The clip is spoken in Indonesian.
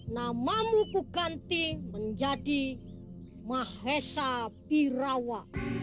namamu kuganti menjadi mahesa birawa